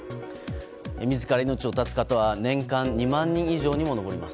自ら命を絶つ方は年間２万人以上に上ります。